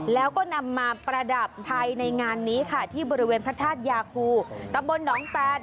แล้วก็นำมาประดับภายในงานนี้ค่ะที่บริเวณพระธาตุยาคูตำบลหนองแปน